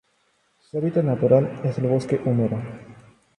Su hábitat natural es el bosque húmedo.